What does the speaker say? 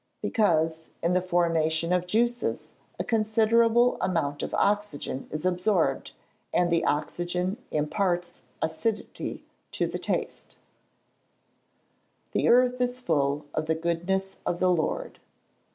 _ Because, in the formation of juices, a considerable amount of oxygen is absorbed, and the oxygen imparts acidity to the taste. [Verse: "The earth is full of the goodness of the Lord."